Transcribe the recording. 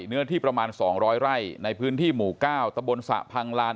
เนื้อที่ประมาณ๒๐๐ไร่ในพื้นที่หมู่๙ตะบนสระพังลาน